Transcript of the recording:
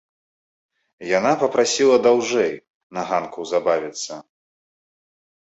Яна папрасіла даўжэй на ганку забавіцца.